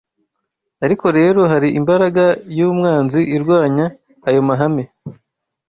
Ariko rero, hari imbaraga y’umwanzi irwanya ayo mahame